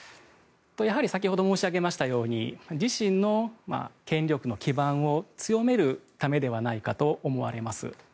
やはり先ほど申し上げましたように自身の権力の基盤を強めるためではないかと思われます。